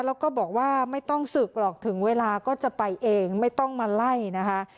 แล้วก็บอกว่าไม่ต้องศึกหรอกถึงเวลาก็จะไปเองไม่ต้องมาไล่นะคะ